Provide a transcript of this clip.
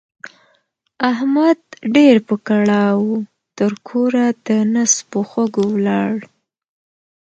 احمد ډېر په کړاو وو؛ تر کوره د نس په خوږو ولاړ.